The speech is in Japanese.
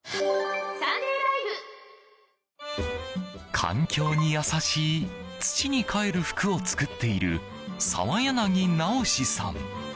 環境に優しい土にかえる服を作っている澤柳直志さん。